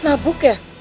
mas mabuk ya